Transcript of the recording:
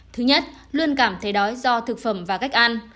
thứ nhất luôn cảm thấy đói do thực phẩm và cách ăn